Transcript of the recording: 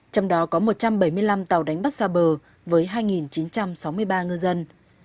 trong đó có một trăm bảy mươi năm tàu đánh bắt xa bờ với hai chín trăm sáu mươi ba ngư dân